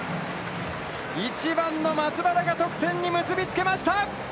１番の松原が得点に結びつけました！